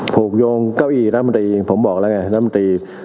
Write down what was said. ผูกยงเก้าเอนนำบัตรีผมบอกแหละไงนำบัตรี